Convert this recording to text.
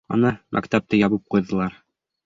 Ана, мәктәпте ябып ҡуйҙылар.